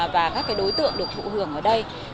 và các đối tượng được thụ hưởng ở đây